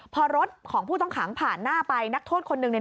พอรถของผู้ต้องขังผ่านหน้าไปนักโทษคนหนึ่ง